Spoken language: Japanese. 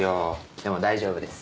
でも大丈夫です